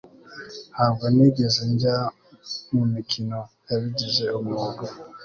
Ntabwo nigeze njya mumikino yabigize umwuga